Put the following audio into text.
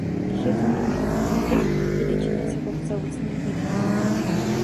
Тэгэхлээр түүний мэдэлд хэдий хэмжээний цаг хугацаа үлдсэнийг мэдэх аргагүй.